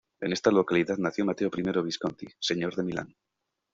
En esta localidad nació Mateo I Visconti, señor de Milán